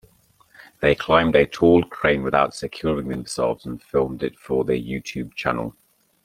They climbed a tall crane without securing themselves and filmed it for their YouTube channel.